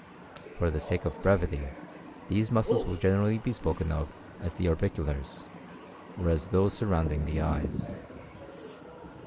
For the sake of brevity these muscles will generally be spoken of as the orbiculars, or as those surrounding the eyes.